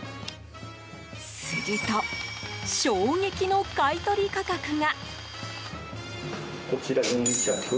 すると、衝撃の買い取り価格が。